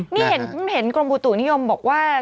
นี่เห็นกรมอุตุนิยมบอกว่า